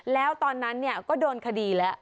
แล้วตอนนั้นก็โดนคดีแล้ว